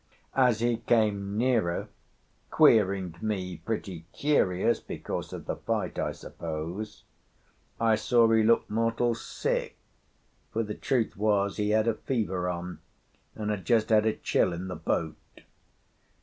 As he came nearer, queering me pretty curious (because of the fight, I suppose), I saw he looked mortal sick, for the truth was he had a fever on, and had just had a chill in the boat.